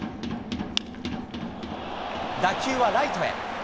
打球はライトへ。